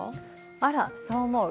あらそう思う？